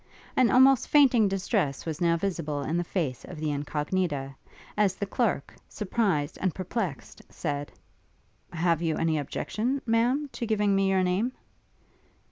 An almost fainting distress was now visible in the face of the Incognita, as the clerk, surprised and perplexed, said, 'Have you any objection, Ma'am, to giving me your name?'